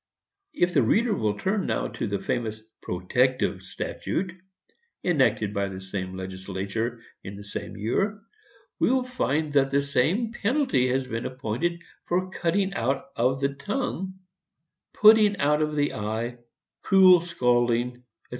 If the reader will turn now to the infamous "protective" statute, enacted by the same legislature, in the same year, he will find that the same penalty has been appointed for the cutting out of the tongue, putting out of the eye, cruel scalding, &c.